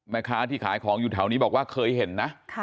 แม่ค้าที่ขายของอยู่แถวนี้บอกว่าเคยเห็นนะ